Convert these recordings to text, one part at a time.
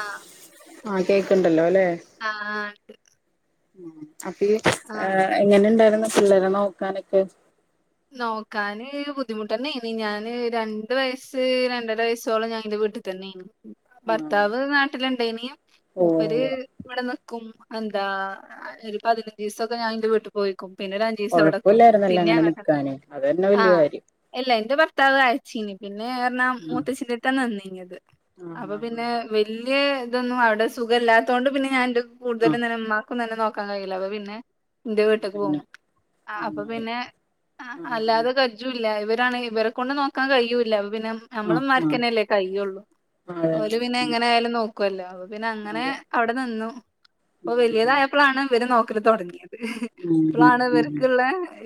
ആഹ് ആ കേക്കണ്ടല്ലോ ല്ലെ ആഹ് ആ അപ്പ ആഹ് ഈഎങ്ങനെണ്ടായിരുന്നു പിള്ളേരെ നോക്കാനൊക്കെ നോക്കാാന് ബുദ്ധിമുട്ടന്നെനി ഞാന് രണ്ട വയസ്സ് രണ്ടര വയസ്സോളം ഞാന്റെ വീട്ട തന്നെ യ്നി ആഹ് ഭർത്താവ് നാട്ടിലുണ്ടയ്നി മുപ്പര് ഓ ഇവിടെ നിക്കും എന്താ ഒരു പതിനഞ്ച് ദിവസൊക്കെ ഞാൻന്റെ വീട്ടിൽ പോയിക്കും പിന്നെ ഒരുഞ്ജീസവിടക്കും കൊഴപ്പല്ലായിരുന്നല്ലോ പിന്നെ അങ്ങനെ അങ്ങട്ട് നിക്കാന് അതന്നെ വലിയ കാര്യം എല്ലാ ഇന്റെ ഭർത്താവ് അയച്ചീനി പിന്നെ എറാ ഉം മൂത്തച്ചിന്റെ ട്ത്താ നിന്നിഞ്ഞത് ആഹ് അപ്പൊ പിന്നെ ആഹ് വലിയ ഇതൊന്നും അവിടെ സുഖ ഇല്ലാത്തോണ്ട് പിന്നെ ഞാ എന്റെ ആഹ് കൂടുതലും മ്മ ക്കൊന്നുംന്നെ നോക്കാൻ കഴിയില്ല അപ്പൊ പിന്നെ എന്റെ ആഹ് വീട്ടേക്ക് പോുവും അതന്നെ അപ്പൊ നന്നായി പിന്നെ ആഹ് അല്ലാതെ കജ്ജൂല്ല. ഇവരാണങ്കി ഇവരെ കൊണ്ട് നോക്കാൻ കഴിയൂല്ല. അപ്പൊ പിന്നെ നമ്മളെ ആഹ് ആഹ് ഉമ്മമാരിക്കന്നെല്ലേ കയ്യുള്ളൂ. അതന്നെ ഓല് പിന്നെ അതന്നെ എങ്ങനെ ആയാലും നോക്കുവല്ലോ. അപ്പൊ പിന്നെ അങ്ങനെ അതെ അവിടെ നിന്നു. ഇപ്പൊ ഉം വലിയതായപ്പോഴാണ് ഇവര് നോക്കല് തുടങ്ങിയത്. ഉം ഇപ്പോളാണ് ഉം ഇവർക്കുള്ള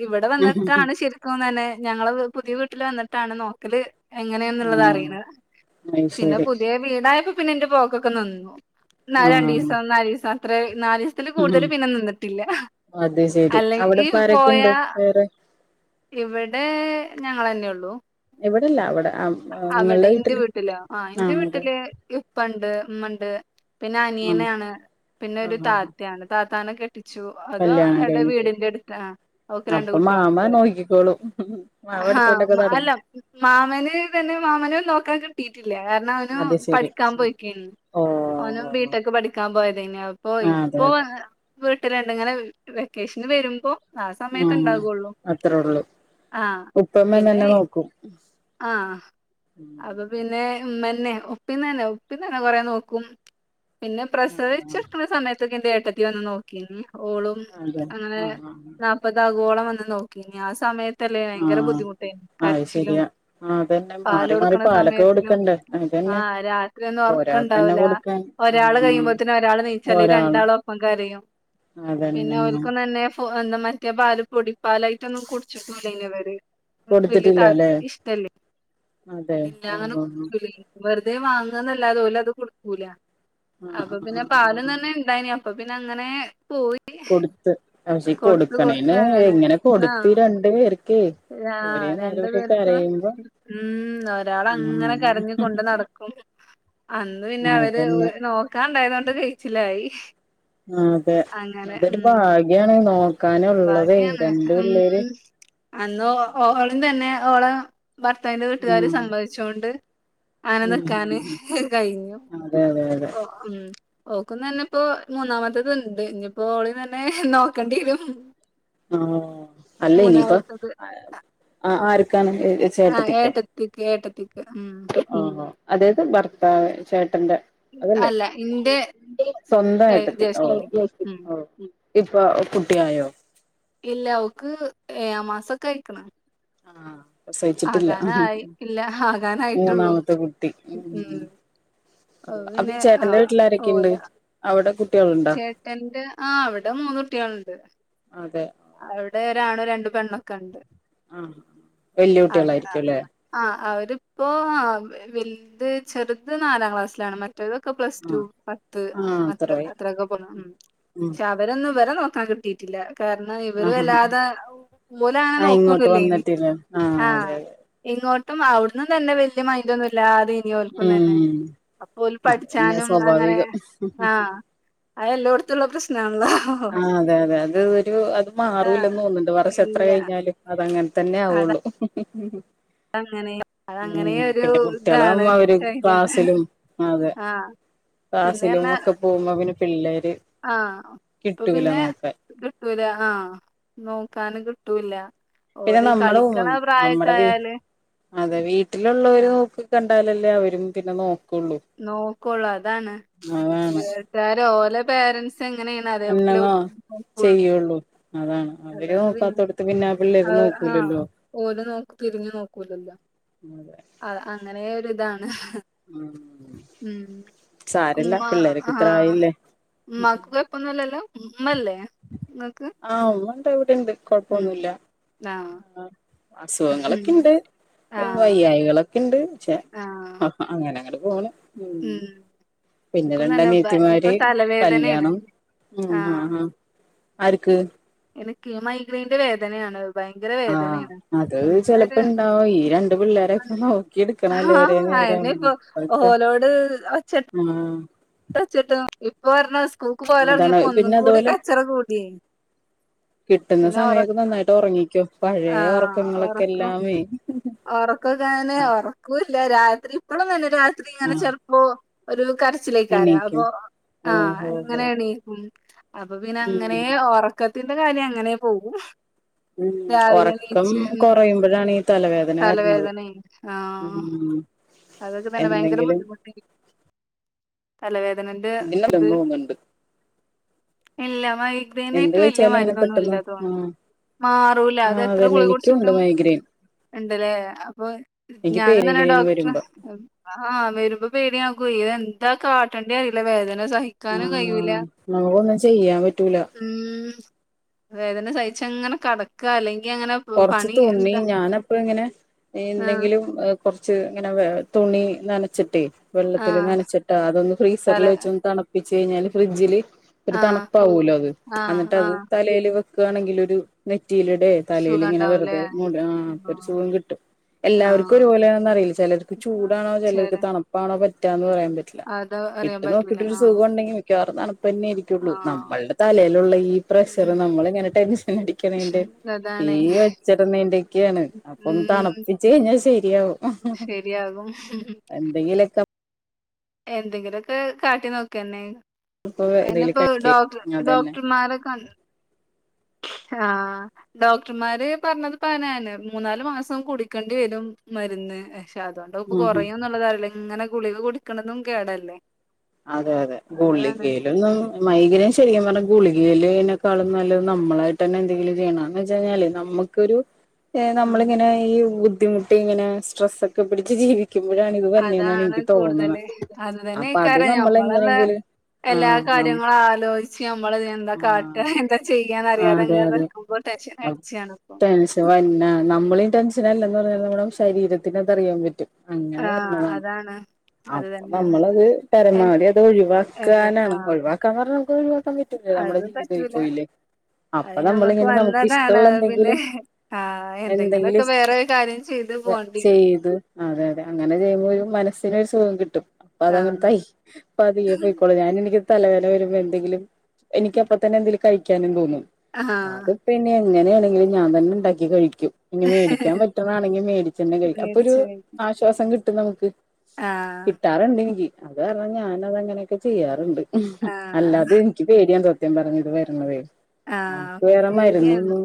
ഇവിടെ വന്ന ഉം ശരിക്കും തന്നെ ഞങ്ങള് പുതിയ വീട്ടിൽ വന്നിട്ടാണ് നോക്കല്. ആഹ് എങ്ങനെയാന്നുള്ളതറിയണെ. അയ് പിന്നെ ശരി പു പിന്നെ വീടായപ്പോ പിന്നെ എന്റെ പോക്കൊക്കെ നിന്നു. നാ രണ്ടു ആഹ് ദിവസം നാല് ദിവസം അത്രേ നാല് ത്തില് കൂടുതൽ ഉം പിന്നെ നിന്നിട്ടില്ല. അത് ശരി അല്ലെങ്കി അവിടെപ്പാരൊക്കെണ്ട് പോയാ വേറെ ഇവിടെ ഞങ്ങെന്നെ ഉള്ളു. ഇവിടെല്ല അവിടെ ആഹ് അവിടെ നിങ്ങളുടെ എൻ്റെ വീട്ടില് വീട്ടിലോ? ആഹ് എൻ്റെ വീട്ടില്. ഉപ്പണ്ട് ഉമ്മ ഉണ്ട്. പിന്നെ ഉം അനിയനാണ്. പിന്നെ ഒരു ആഹ് ആഹ് താത്തയാണ്. താത്താനെ കെ കെട്ടിച്ചു. അതോ കല്യാണം എടെ കഴിഞ്ഞിട്ട് വീടിന്റെ അടുത്ത് അവക്ക് രണ്ട് കുട്ടികളുണ്ട്. ക്കോളും. അവൻ ആ എടുത്തോണ്ടൊക്കെ മ- നടന്നു. അല്ല മാമന് തന്നെ മാമനു നോക്കാൻ കിട്ടിയിട്ടില്ല. കാരണം അവനു അത് ശരി പഠിക്കാൻ പോയിക്കേണ്. ഓനും ഓഹ് ബീ ടെക്ക് പഠിക്കാൻ പോയതാനു. അപ്പൊ ആഹ് അതെ ഇപ്പൊ അതെ വീട്ട്ല്ണ്ട്. ഇങ്ങനെ വെക്കേഷന് വരുമ്പോ ആ സമയത്ത് ആഹ് ഇണ്ടാകുള്ളൂ അത്രേ ഉള്ളൂ. ആ ഉപ്പ ഉമ്മിം നല്ലം നോക്കും. ആഹ് അപ്പൊ പിന്നെ ഉമ്മന്നെ ഉപ്പി തന്നെ ഉപ്പി തന്നെ കൊറേ നോക്കും. പിന്നെ പ്രസവിച്ച് ആഹ് കെടക്ക്ണ സമയത്തൊക്കെ എൻ്റെ ഏട്ടത്തി വന്ന് നോക്കീന്. ഓളും അതെ അങ്ങനെ ആഹ് ആഹ് നാ പ്പതാകോളം വന്ന് നോക്കി. ആഹ് സമയത്തല്ലേ ഭയങ്കര ആഹ് ബുദ്ധിമുട്ടായിനു. അത് കരച്ചിലും ശരിയാ ആഹ് അതന്നെ പാല് മാറി മാറി കൊടുക്കണ പാലൊക്കെ സമയത്തിനും കൊടുക്കണ്ടേ അതന്നെ ആഹ് രാത്രി ഒന്നും ഉറക്കം ഒരാൾക്കന്നെ ഉണ്ടാവൂല. കൊടുക്കാൻ ഒരാള് ആഹ് കഴിയുമ്പോത്തിന് ഒരാള് എനീയ്ച്ചാല് ഒരാള് രണ്ടാളും ഒപ്പം കരയും. പിന്നെ അതന്നെ ഓൽക്കൊന്നും തന്നെ സ്യഴ്ച എന്താ മറ്റേ പാല് പൊടിപ്പാലായിട്ടൊന്നും കുടിച്ചിട്ടൂല്ലയ്ന് ഇവര്. ഇവർക്ക് വലിയ താല്പ കൊടുത്തിട്ടില്ലല്ലേ ഇഷ് തലും അതെ ആഹ് എല്ലാങ്ങനും ആഹ് വെറുതെ വാങ്ങ ന്നല്ലാതൊ ഓല് അത് കുടിക്കൂല. ആഹ് അപ്പൊ ആഹ് പിന്നെ പാലും ആഹ് ആഹ് തന്നെ ഉണ്ടായിനി. അപ്പൊ പിന്നെ അങ്ങനെ പോയി കൊടുത്ത് പക്ഷേ കൊടുത്ത് കൊടുക്കണേന് അങ്ങനെ എങ്ങനെ ആ കൊടുത്ത് രണ്ട് പേര്ക്കെ. ആ ഒരേ രണ്ടു നേരമൊക്കെ പേർക്കും കരയും ഉം ഒരാള് അങ്ങനെ കരഞ്ഞുകൊണ്ട് നടക്കും. അന്ന് പിന്നെ അവര് അതന്നെ നോക്കാൻ ഉണ്ടായതോണ്ട് കഴിച്ചില്ലായി. ആഹ് അതെ. അതൊരു ഭാഗ്യാണ് നോക്കാന് ഉള്ളതേ. ഭാഗ്യാണ് രണ്ട് ഉം പിള്ളേര് അന്ന് ഓ ഓളിൻ തന്നെ ഓള് ഭർത്താവിന്റെ വീട്ടുകാര് ഉം സമ്മതിച്ചോണ്ട്. അങ്ങനെ ഉം നിക്കാന് ഉം കഴിഞ്ഞു. അതെ അതെ അതെ ഉം ഓക്കുതന്നെ ഇപ്പോ മൂന്നാമത്തേത് ഉണ്ട്. ഇനിയിപ്പോ ഓള്തന്നെ നോക്കേണ്ടി വരും. ആഹ് അല്ല ഇനിയിപ്പം മൂന്നാമത്തത് ആർക്കാണ്? ആഹ് ചേട്ടത്തിക്കോ ഏട്ടത്തിക്ക് ഏട്ടത്തിക്ക് ഉം ആഹ് ആഹ്അതായത് ഭർത്താവ് ചേട്ടന്റെ അതല്ലേ അല്ല ഇന്റെ സ്വന്തം ഏഹ് ഏട്ടത്തി. ജ്യേഷ്ഠത്തിക്ക് ഓഹ് ഉം ഓഹ് ഇപ്പൊ കുട്ടിയായോ? ഇല്ല. അവക്ക് ഏഴാം മാസൊക്കെ ആയിക്കണ്. ആഹ്. പ്രസവിച്ചിട്ടില്ല. ഇല്ല ആകാനായിട്ടുള്ളൂ മൂന്നാമത്തെ കുട്ടി. ഉം അത് അപ്പൊ ഈ പിന്നെ ചേട്ടന്റെ ആഹ് വീട്ടില് ആരൊക്കെയുണ്ട്. ഓലെ അവിടെ കുട്ടികൾ ചേട്ടന്റെ ആഹ് അവിടെ മൂന്നുകുട്ടികളുണ്ട്. അതെ. അവിടെ ഒരാണും രണ്ട് പെണ്ണൊക്കെ ഉണ്ട്. ആഹ് വെല്യ അവര് കുട്ടികളായിരിക്കും ല്ലേ ആഹ് അവരിപ്പോ ആഹ് വെ വെൽത് ചെറുത് നാലാം ക്ലാസ്സിലാണ് മറ്റ് മറ്റേതൊക്കെ പ്ലസ് ടു, ആഹ് പത്ത് ആഹ് [unintelligible] അത്രായി അത്രൊക്കെ പോന്നതാ ഉം ഉം ചാ അവരൊന്നും ഇവരെ നോക്കാൻ കിട്ടിയിട്ടില്ല കാര ആഹ് ഇവര് വല്ലാതെ ഓലങ്ങനെ ആഹ് ഇങ്ങോട്ട് നോക്കൊന്നുല്ലേയ്നി വന്നിട്ടില്ല ആഹ് അതെ അതെ ഇങ്ങോട്ടും അവിടുന്നും നല്ല വെല്ല്യ മൈൻഡൊന്നുല്ലാതെ ഓൽക്കുംതന്നെ ഉം അപ്പോ ഓല് അത് പിന്നെ പഠിച്ചാനും അങ്ങനെ സ്വാഭാവികം ആഹ് അത് എല്ലോടത്തുള്ള പ്രശ്നാണല്ലോ ആഹ് അതെ അതെ അത് ഒരു അത് ആഹ് മാറൂലെന്ന് തോനുന്നുണ്ട് വർഷം എത്ര ഇല്ല കഴിഞ്ഞാലും അതങ്ങനെ തന്നെ അത ആവുള്ളൂ അങ്ങനെ അതങ്ങനെ ഉം ഒരു പിന്നെ ഇതാണ് കുട്ടികളാവുമ്പം അവര് ശൈലിയാണ് ക്ലാസിലും ആതെ ആഹ് പിന്നെ ക്ലാസ്സിലും പറഞ്ഞാ ഒക്കെ പോകുമ്പോ പിന്നെ പിള്ളേര് ആഹ് അപ്പൊ കിട്ടൂല പിന്നെ നോക്കാൻ കിട്ടൂലാ ആഹ് നോക്കാനും കിട്ടൂലാ പിന്നെ നമ്മള് [unintelligible] നമ്മടെ വീ ആയാല് അതെ വീട്ടിലുള്ളവര് ആഹ് നോക്ക് കണ്ടാലല്ലേ അവരും പിന്നെ നോക്കുള്ളൂ നോക്കോള്ളൂ അതാണ് അതാണ് വീട്ടാര് ഓലെ പേരൻ്റ്സ് ത്ത് എങ്ങനെയാണ് അതേപോലെ എന്നതാ [unintelligible] നോക്കുള്ളൂ ചെയ്യുള്ളൂ അതാണ് അവര് അതാണ് പിന്നെ നോക്കാത്തോടത്ത് പിന്നെ പിള്ളേര് ആഹ് ആഹ് നോക്കൂലല്ലോ ഓല് നോക്ക് തിരിഞ്ഞു നോക്കൂലല്ലോ അതെ ആഹ് അങ്ങനെ ഒരിതാണ് ഉം ഉം സാരല്ല ഉമ്മാ പിള്ളേരൊക്കെ ഇത്ര ആഹ് ആയില്ലേ ഉമ്മാക്ക് കൊഴ പ്പൊന്നുംല്ലല്ലോ ഉമ്മല്ലേ ഇങ്ങക്ക്? ആഹ ഉമ്മണ്ട് ഇവിടെണ്ട് ഉം ആഹ് ആഹ് അസുഖങ്ങളൊക്കെ ഇണ്ട് ആഹ് വയ്യായികളൊക്കെ ഇണ്ട് പക്ഷെ ആഹ് അങ്ങനെ അങ്ങട് പോണ് ഉം പിന്നെ ഇൻക്കും തന്നെ ഭ ഇപ്പൊ രണ്ടനിയത്തിമാര് തലവേദനേണ് കല്യാണം ഉം ആഹ് ആഹ് ആര്ക്ക്‌? എനിക്ക് മൈഗ്രെയിന്റെ വേദനയാണ് ഭയങ്കര ആഹ് വേദനേണ് അത് ഇപ്പൊന്നൊരു ചെലപ്പ ഇണ്ടാവും ഈ രണ്ട് പിള്ളേരൊക്കെ നോക്കിയെടുക്ക ക്കണല്ലേ ഒരേ ആഹ് നേരം അയന്നെ ഇപ്പൊ [unintelligible] ഓലോട് ആഹ് [unintelligible] ഇപ്പം [unintelligible] സ്കൂൾക്ക് പോവല് അതാണ് തൊടങ്ങിയപ്പോ ഒന്നും പിന്നെ കൂടി അതുപോലെ കച്ചറ കൂടിയേ കിട്ടുന്ന പിന്നെ സമയൊക്കെ ഉറക്ക നന്നായിട്ട് ഒറങ്ങിക്കോ പഴയ ഒറക്കങ്ങളൊക്കെ എല്ലാമേ ഒറക്കൊക്കെ അങ്ങനെ ഒറക്കൂല്ല രാത്രി ഇപ്പഴും തന്നെ രാത്രി ഇങ്ങനെ ചെ ആഹ് ഓഹ് ഒരു കരച്ചിലേക്കാരാ എണീക്കും അപ്പൊ ആഹ് ഓഹ് ഓഹ് ഓഹ് അങ്ങനെയാണെ [unintelligible] അപ്പൊ പിന്നെ അങ്ങനെ ഉം ഒറക്കത്തിന്റെ കാര്യം അങ്ങനെ പോവും രാവിലെ ണീച്ച് ഉം ആണേ തലവേ തലവേദനെയെ ആഹ് അതൊക്കെ തന്നെ ഭയങ്കര എന്തെങ്കിലും ബുദ്ധിമുട്ടായി തലവേദനന്റെ ഇത് ഇതിനല്ലെന്ന് തോന്നുന്നുണ്ട് ഇല്ല എന്ത് മൈഗ്രെയിനായിട്ട് വെല്യ കഴിച്ചാലും അങ്ങനെ മരുന്നൊന്നും പെട്ടെന്ന് ഇല്ലാ തോന്ന്ണ് ആഹ് മാറൂലാ അത് ആഹ് എത്ര അതന്നെ ഗുളിക എനിക്കുണ്ട് കുടിച്ചിട്ടും മൈഗ്രെയിൻ ഉണ്ടല്ലേ അപ്പൊ എനിക്ക് ഞാനും തന്നെ മൈഗ്രെയിൻ ഡോക് വരുമ്പോ ആഹ് വരുമ്പോ പേടിയത് എന്താ കാട്ടേണ്ടി അറിയില്ല വേദന സഹ ആഹ് നമുക്കന്നും ചെയ്യാൻ പറ്റൂല ഉം വേദന സഹച്ച് അങ്ങനെ കിടക്ക അല്ലെങ്കി അങ്ങനെ പ- കൊറച്ച പണി തുണി ഇണ്ട ഞാനപ്പ ഇങ്ങനെ ആഹ് എന്തെങ്കിലും കുറച്ച് ഇങ്ങനെ തുണി നനച്ചിട്ടേ വെള്ളത്തില്ൽ ആഹ് നനച്ചിട്ടാ അതൊന്ന് തല ഫ്രീസറിൽ വെച്ച്ന്ന് തണുപ്പിച്ചച്ച് കഴിഞ്ഞാല് ഫ്രിഡ്ജില് ഒരു ആഹ് തണുപ്പാവല്ലോ അത് ആഹ് എന്നിട്ട് അത് ആഹ് തലൽ വെക്കുകയാണെങ്കിൽ ഒരു നെറ്റിയിലടെ തലൽ ഇങ്ങനെ സുഖണ്ടാവൂലേ വെറുതെ ആഹ് അപ്പൊ ഒരു സുഖം കിട്ടും എല്ലാവർക്കും ആഹ് ഒരുപോലെയാണെന്ന് അറിയില്ല ചിലർക്ക് ചൂടാണോ ചിലർക്ക് തണുപ്പാണോ പറ്റാ എന്ന് പറയാൻ പറ്റും അത ഇട്ട് നോക്കിട്ടൊരു സുഖം ഉണ്ടെങ്കിൽ മിക്കവാറും തണുപ്പന്നെയിരിക്കുള്ളൂ ആഹ് നമ്മളുടെ തലേയിലുള്ള ഈ പ്രഷർ ഉം നമ്മളിങ്ങനെ ടെൻഷൻ അടിക്കണണ്ട് ഈ അതാണേ ഒച്ചിട നീന്റെൊക്കെയാണ് അപ്പൊ ഒന്ന് ഉം തണുപ്പിച്ച് കഴിഞ്ഞാൽ ശരിയാവുംോ ശരിയാകും എന്തെങ്കിലോക്കെ എന്തെങ്കിലൊക്കെ കാട്ടി നോക്കന്നെ ഇപ്പൊ എന്തെങ്കിലും അയിനിപ്പോ കഴിക്ക ഡോക് അതന്നെ ഡോക്ടർമാരൊക്കെ ഉണ്ട് ആഹ് ഡോക്ടർമാര് പറഞ്ഞത് പതന്ന മൂന്നാല് മാസം കുടിക്കേണ്ടി വരും മരുന്ന് പക്ഷെ അതുകൊണ്ട്പ്പ ഉം കുറയുംന്നുള്ളതല്ല ഇങ്ങനെ ഗുളിക കുടിക്കണന്നും കേടല്ലേ അതെ അതെ അതാണ് ഗുള്ളികയിലന്നും മൈകം ശരിക്കും പറഞ്ഞാ ഗുളികയിൽതിനെക്കാളും നല്ല നമ്മളായിട്ട തന്നെ എന്തെങ്കിലും ചെയ്യണന്ന് വെച്ച കഴിഞ്ഞാല് നമുക്ക് ഉം നമ്മളിങ്ങനെ ഈ ബുദ്ധിമുട്ട് ഇങ്ങനെ സ്ട്രെസോ ഒക്കെ പിടിച്ച് ജീവിക്ക ുമ്പോഴാണ് ഇത് വന്നെയന്നാണ് അതാണ് എനിക്ക് തോന്നുന്നത് കൂടുതല് അത് അപ്പൊ അത് തന്നെക്കാരം നമ്മൾ ഞമ്മളെന്നെ എങ്ങനെയെങ്കില് എല്ലാ കാര്യങ്ങളും ആലോയ്ച്ച് നമ്മള് എന്താ കാട്ട ആഹ് എന്താ ചെയ്യാൻ അതെ അറിയാതെങ്ങനെ നക്കും പ്പൊ ടെൻഷൻ അടിച്ചാാണ് അപ്പൊ അന്നെ നമ്മളും ടെൻഷനല്ലന്ന് പറഞ്ഞാൽ നമ്മുടെ ശരീരത്തിനറിയാൻ പറ്റും അങ്ങനെ ആഹ് വരുന്നതാണ് അതാണ് അത് അപ്പൊ തന്നെയാണ് നമ്മളത് എ പാരമാവടി അത് എന്തെ ഒഴിവാക്കാനാണ് ആഹ് ഒഴിവാക്കാന്ന് പറഞ്ഞാ ന ഒഴിവാക്കൻ നമ്മുടെ അത് ജീവിതയ് പറ്റൂല പോയില്ലേ അത് അപ്പൊ ഞമ്മക്ക് നമ്മളിങ്ങനെ നമുക്ക് വന്നതാണ് ഇഷ്ടള്ള അത് പിന്നെ എന്തെങ്കിലും ആഹ് എന്തെങ്കിലും എന്തെങ്കിലൊക്കെ ഇഷ്ട്ട വേറെ കാര്യം ചെയ്ത് പോണ്ടിരും ചെയ്തു അതെ അതെ അങ്ങനെ ചെയ്യുമ്പോൾ ഒരു മനസ്സനരു സുഖം കിട്ടും അപ്പൊ ആഹ് അതങ്ങനൊയി അതിെ പോയി ഞൻ എനിക്ക് തലവേന വരുമ്പോ എന്തെങ്കിലും എനിക്കപ്പ തന്നെ എന്തെങ്കിലും കഴിക്കാനും തോന്നും ആഹ് അ പിന്നെ എങ്ങനെയാണെങ്കിലും ഞാൻ തന്നെ ഉണ്ടാക്കി കഴിക്കും ഇനി മേടിക്കാൻ പറ്റുന്നാണെങ്കിൽ മേടിച്ചന്നെ കഴും അപ്പൊ ഒരു മേടിച്ചു ആശ്വാസം കിട്ടും നമുക്ക് ആഹ് കിട്ടാറുണ്ട് എനിക്ക് അത് കാരണം ഞാന അതങ്ങനെയൊക്കെ ചെയ്യാറുണ്ട് ആഹ് അല്ലാതെ യ്ക്ക് പേടിയാ സത്യ പറഞ്ഞത് വരണതെ ആഹ് നമുക്ക് വേറെ പേടിയാണ് മര്ന്ന്ന്ന്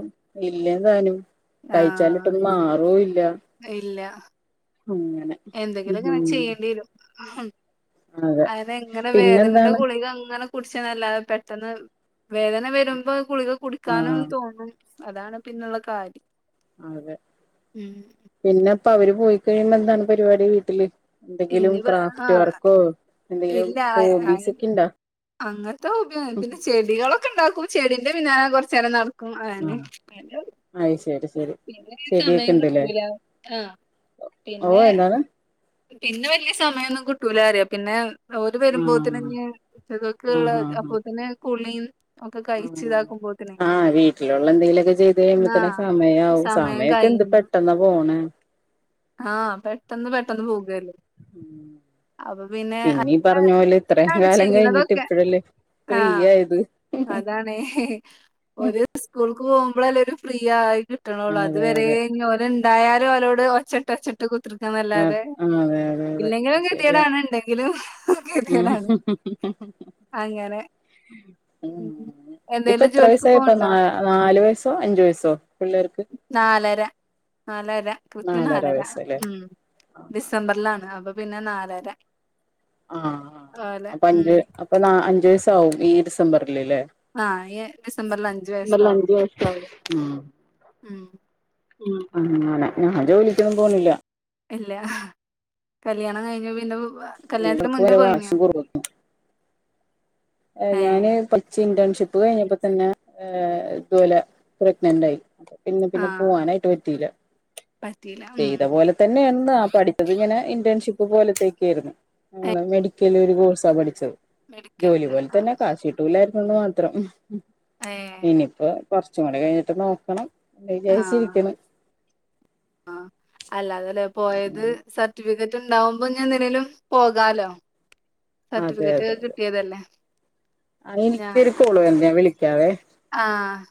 ഇല്ലേ താനും ആഹ് കഴിച്ചാലിട്ടൊന്നും മാറല്ല അങ്ങനെ എന്തെങ്കിലുംങ്ങനെ ചെയ്യേണ്ടി വരും അതെ എങ്ങനെ വേദനന്റെ പിന്നെന്താണ് ഗുളിക അങ്ങനെ കുടിച്ച നല്ലാത പെട്ടെന്ന് വേദന വരുമ്പോ കുളികൾ കുടിക്കാനും ആഹ് തോന്നും അതാണ് പിന്നുള്ള കാര്യം അതെ ഉം പിന്നെപ്പം അവര് പോയിക്കഴിയുമ്പോ എന്താണ് പരിപാടി വീട്ടില് എന്തെങ്കിലും ഇനി ക്രാഫ്റ്റ് ആഹ് വർക്കോ എന്തെങ്കിലും ഇല്ല ഹോബീസ് ഒക്കെ ഇണ്ടാ അങ്ങനത്തെ ഹോബിയൊന്നും ഇല്ല, പിന്നെ ചെടികളൊക്കെ ക്കെ ഉണ്ടാക്കും, ചെടിന്റെ പിന്നാലെ കുറച്ച് നേരം നടക്കും, അങ്ങനെ ആഹ് [inaudible] അയ് ശരി ശരി പിന്നെ ചെടിയൊക്കെ സമയം ഇണ്ട്ല്ലേ കിട്ടൂല, ആഹ് ഓ പിന്നെ എന്താണ് പിന്നെ വലിയ സമയം ഒന്നും കിട്ടൂല അറിയോ പിന്നെ ഓര് വരുമ്പോത്തിന് ആഹ് [unintelligible] ഉള്ള ആഹ് അപ്പോ പിന്നെ കുളീം ആഹ്, ആഹ് വീട്ടിലുള്ള എന്തെങ്കിലുമൊക്കെ ചെയ്ത് ആ കഴിയുമ്പോത്തനെ സമയാവും, സമയമൊക്കെ എന്ത് പെട്ടെ പെട്ടെന്നാ പോണെ ആഹ് പെട്ടെന്ന് പെട്ടന്ന് പോകുകല്ലേ ഉം പിന്നീ പറഞ്ഞ പോലെ ഇത്രയും ആണ് കാലം കഴിഞ്ഞിട്ട് ചെയ്യണതൊക്കെ ഇപ്പോഴല്ലേ ആ ഫ്രീ ആയത് അതാണ് ഓര് സ്കൂൾക്ക് പോകുമ്പോളല്ലേ ഒരു ഫ്രീ ആയി കിട്ടണുള്ളൂ, അതെ അതെ അതുവരേം ഇ അന്തായാലും അവരോട് ഒച്ചയിട്ട് ഒച്ചയിട്ട് കുത്തിരിക്ക ല്ലാതെ, ആഹ് അതെ അതെ അതെ ഇല്ലെങ്കിലും ശരിയാ ഗതികേടാണ് ഉണ്ടെങ്കിലും ഉം ഗതികേടാണ് അങ്ങനെ ഉം ഇപ്പം എന്തേലും എത്ര ജോലിക്ക് വയസായി, ഇപ്പം നാ പോവ്ണ്ടോ? നാലു വയസ്സോ അഞ്ചു വയസോ? പിള്ളേർക്ക് നാലര നാലര കൃത്യം നാലര ഉം ഡിസംബറിലാണ് അപ്പൊ പിന്നെ നാലര ആഹ് ആഹ് ഓലെ അപ്പൊ ഉം. അഞ്ച് അപ്പൊ നാ അഞ്ചു വയസ്സാവും ഈ ഡിസംബറില് ഇല്ലേ ആഹ് ഈ ഡിസംബറില് അഞ്ച് വയസ്സാകും അഞ്ച് വയസ്സാവും ഉം ഉം അങ്ങനെ ഞാൻ ജോലിക്കൊന്നും പോണില്ല ഇല്ല കല്യാണം കഴിഞ്ഞേ പിന്നെ, കല്യാണത്തിന് ഞങ്ങൾക്ക് മുന്നേ വരെ വാശി പോയിനിയോ കുറവന്നു ഞാന് ഇന്റേൺഷിപ്പ് കഴിഞ്ഞപ്പോ തന്നെ ഇത് പോലെ പ്രഗ്നന്റ് ആയി പിന്നെ പിന്നെ ആഹ് പോവാനായിട്ട് പറ്റിയില്ല പറ്റീല. ഉം. ചെയ്ത പോലെ തന്നെയാന്ന്, ആ പഠിച്ചത് ഇങ്ങനെ ഇന്റേൺഷിപ്പ് പോലത്തെയക്കെയാരുന്നു. മെഡി ല് ഒരു കോഴ്സാ പഠിച്ചത്, ജോലി മെഡിക്കൽന്റെ പോലെ തന്നെ, ആഹ് കാശ് കിട്ടൂലായിരുന്നുന്ന് മാത്രം. ഏഹ് ഇനിയിപ്പോ കുറച്ചും കൂടി കഴിഞ്ഞിട്ട് നോക്കണം എന്ന് വിചാരിച്ചിരിക്കണ് ആഹ് അല്ല അതല്ലേ പോയത് സർട്ടിഫിക്കറ്റ് റ്റ് ഉണ്ടാവുമ്പോ ഇനി എന്തിനേലും പോകാല്ലോ, സർട്ടിഫിക്കറ്റൊക്കെ കിട്ടിയതല്ലേ ആഹ് ഞാൻ എനിക്കൊരു കോള് വരുന്നു, ഞാൻ വിളിക്കാവേ ആഹ്